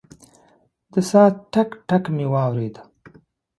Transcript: د ساعت ټک، ټک مې واورېد.